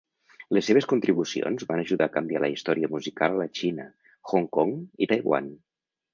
Les seves contribucions van ajudar a canviar la història musical a la Xina, Hong Kong i Taiwan.